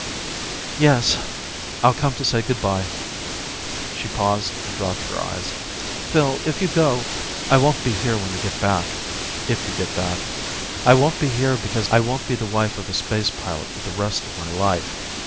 "Yes, I'll come to say good by." She paused and dropped her eyes. "Phil, if you go, I won't be here when you get back if you get back. I won't be here because I won't be the wife of a space pilot for the rest of my life.